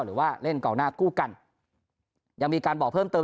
หรือว่าเล่นกองหน้าคู่กันยังมีการบอกเพิ่มเติม